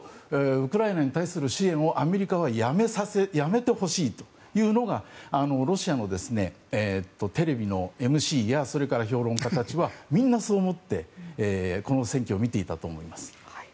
ウクライナに対する支援をアメリカはやめてほしいというのがロシアのテレビのＭＣや評論家たちはみんなそう思ってこの選挙を見ていたと思います。